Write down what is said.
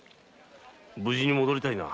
無事に戻りたいな。